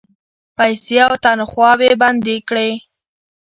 پیسې او تنخواوې بندي کړې.